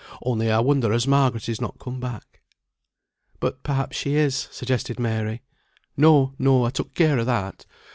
Only I wonder as Margaret is not come back." "But perhaps she is," suggested Mary. "No, no, I took care o' that.